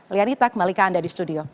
lian hita kemalika anda di studio